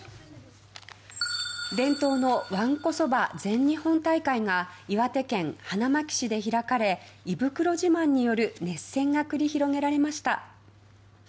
伝統のわんこそば全日本大会が岩手県花巻市で開かれ胃袋自慢による熱戦が繰り広げられました。